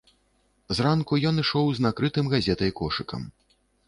Зранку ён ішоў з накрытым газетай кошыкам.